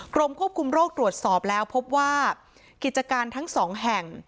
กรมควบคุมโรคตรวจสอบแล้วพบว่ากิจการทั้งสองแห่ง